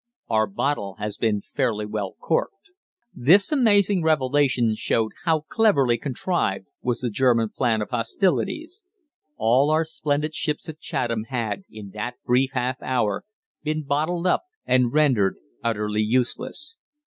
Our bottle has been fairly well corked." This amazing revelation showed how cleverly contrived was the German plan of hostilities. All our splendid ships at Chatham had, in that brief half hour, been bottled up and rendered utterly useless.